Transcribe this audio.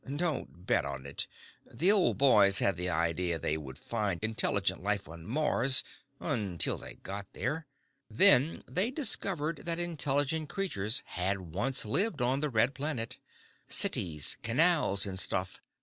"Don't bet on it. The old boys had the idea they would find intelligent life on Mars, until they got there. Then they discovered that intelligent creatures had once lived on the Red Planet. Cities, canals, and stuff.